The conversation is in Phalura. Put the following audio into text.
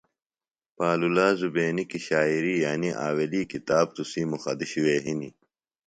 پالولا زُبینی کیۡ شاعری انیۡ آویلی کتاب تُسی مُخدوشیۡ وے ہِنیۡ۔